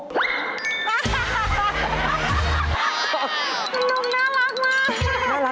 ลูกน่ารักมาก